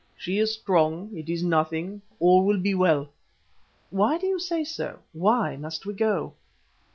She is strong. It is nothing. All will be well." "Why do you say so? why must we go?"